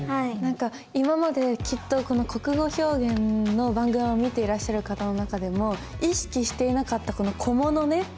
何か今まできっとこの「国語表現」の番組を見ていらっしゃる方の中でも意識していなかったこの小物ね。